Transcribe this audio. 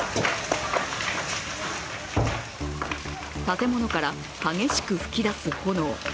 建物から激しく噴き出す炎。